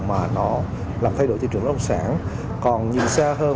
mà nó làm thay đổi thị trường bất động sản